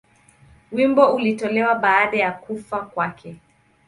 Wimbo ulitolewa baada ya kufa kwake.